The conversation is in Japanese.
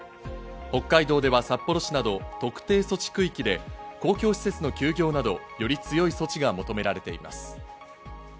北海道では札幌市など特定措置区域で公共施設の休業など、より強い措置が求められています。